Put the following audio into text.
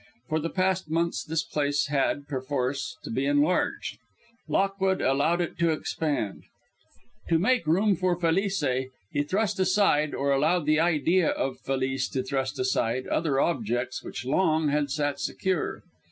For the past months this place had, perforce, to be enlarged. Lockwood allowed it to expand. To make room for Felice, he thrust aside, or allowed the idea of Felice to thrust aside, other objects which long had sat secure.